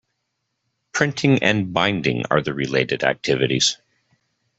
Printing and binding are the related activities.